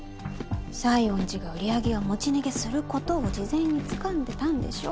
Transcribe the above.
西園寺が売り上げを持ち逃げすることを事前につかんでたんでしょう。